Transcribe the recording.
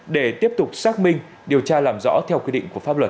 để tiếp tục xác minh điều tra làm rõ theo quy định của pháp luật